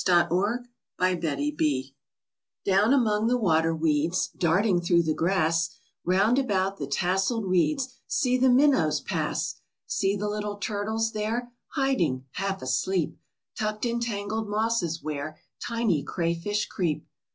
IN THE WATER WORLD Down among the water weeds, Darting through the grass, Round about the tasseled reeds, See the minnows pass! See the little turtles there, Hiding, half asleep, Tucked in tangled mosses where Tiny crayfish creep!